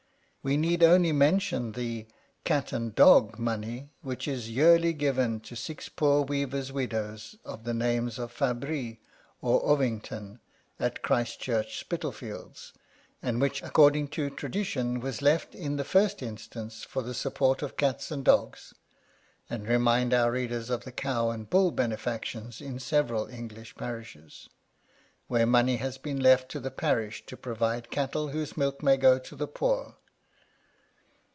We need only mention the "cat and dog" money, which is yearly given to six poor weavers' widows of the names of Fabry or Ovington, at Christ Church, Spitalfields, and which, according to tradition, was left in the first instance for the support of cats and dogs ; and remind our readers of the cow and bull benefactions in several English parishes, where money has been left to the parish to provide cattle whose milk may go to the poor.